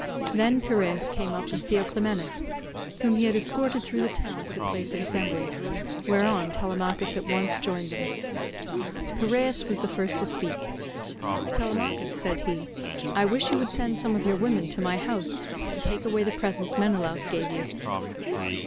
Then Piraeus came up with Theoclymenus, whom he had escorted through the town to the place of assembly, whereon Telemachus at once joined them. Piraeus was first to speak: "Telemachus," said he, "I wish you would send some of your women to my house to take away the presents Menelaus gave you."